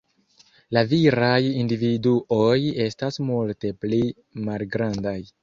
La viraj individuoj estas multe pli malgrandaj.